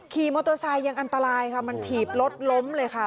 ขี่มอเตอร์ไซค์ยังอันตรายค่ะมันถีบรถล้มเลยค่ะ